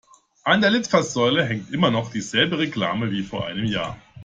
An der Litfaßsäule hängt noch immer dieselbe Reklame wie vor einem Jahr.